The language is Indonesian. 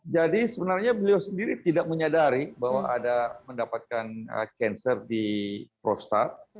jadi sebenarnya beliau sendiri tidak menyadari bahwa ada mendapatkan cancer di prostat